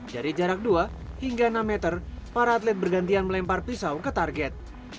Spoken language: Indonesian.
dari jarak dua hingga enam meter para atlet bergantian melempar pisau ke target